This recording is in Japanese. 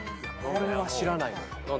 これは知らないのよ。